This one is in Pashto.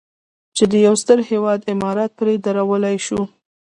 چې د یو ستر هېواد عمارت پرې درولی شو.